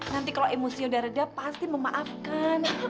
nanti kalau emosi udah reda pasti memaafkan